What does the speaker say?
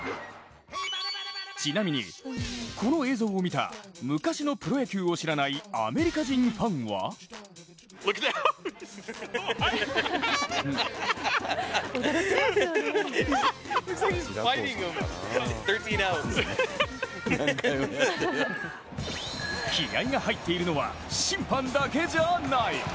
ちなみに、この映像を見た昔のプロ野球を知らないアメリカ人ファンは気合いが入っているのは審判だけじゃない。